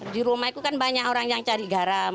di rumah itu kan banyak orang yang cari garam